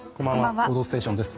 「報道ステーション」です。